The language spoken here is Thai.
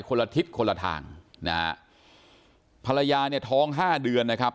คนละทิศคนละทางภรรยาเนี่ยท้อง๕เดือนนะครับ